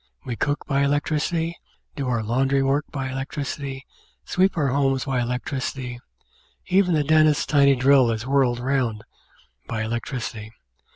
We cook by electricity, do our laundry work by electricity, sweep our rooms by electricity, even the dentist's tiny drill is whirled round by electricity.